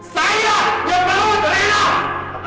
saya yang merawat rena